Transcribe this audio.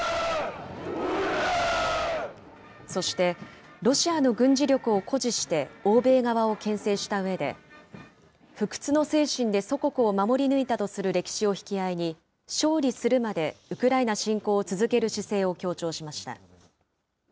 そして、ロシアの軍事力を誇示して欧米側をけん制したうえで、不屈の精神で祖国を守り抜いたとする歴史を引き合いに、勝利するまでウクライナ侵攻を続ける姿勢を強調しました。